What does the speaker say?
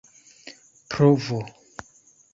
provo